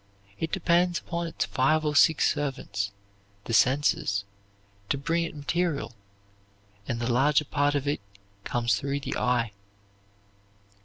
It depends upon its five or six servants, the senses, to bring it material, and the larger part of it comes through the eye.